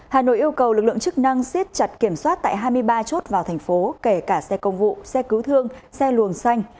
hà nội yêu cầu lực lượng chức năng siết chặt kiểm soát tại hai mươi ba chốt vào thành phố kể cả xe công vụ xe cứu thương xe luồng xanh